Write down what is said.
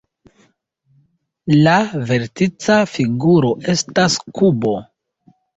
La vertica figuro estas kubo.